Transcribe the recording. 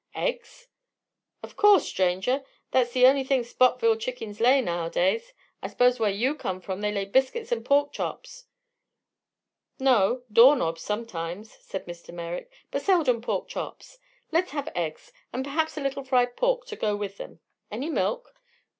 "Eggs?" "Of course, stranger. Thet's the on'y thing Spotville chickens lay, nowadays. I s'pose whar yeh come from they lay biscuits 'n' pork chops." "No. Door knobs, sometimes," said Mr. Merrick, "but seldom pork chops. Let's have eggs, and perhaps a little fried pork to go with them. Any milk?"